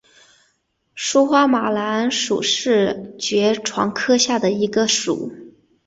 疏花马蓝属是爵床科下的一个属。